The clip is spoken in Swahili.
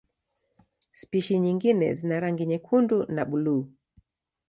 Spishi nyingine zina rangi nyekundu na buluu.